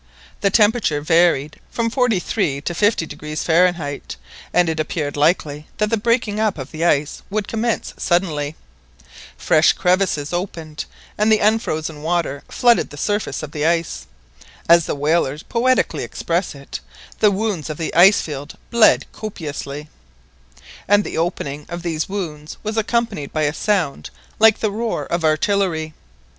The temperature varied from 43° to 50° Fahrenheit, and it appeared likely that the breaking up of the ice would commence suddenly. Fresh crevasses opened, and the unfrozen water flooded the surface of the ice. As the whalers poetically express it, the "wounds of the ice field bled copiously," and the opening of these "wounds" was accompanied by a sound like the roar of artillery.